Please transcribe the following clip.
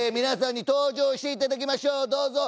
皆さんに登場していただきましょう